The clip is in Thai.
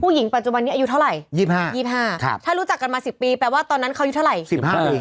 หญิงปัจจุบันนี้อายุเท่าไหร่๒๕๒๕ถ้ารู้จักกันมา๑๐ปีแปลว่าตอนนั้นเขาอายุเท่าไหร่๑๕ปี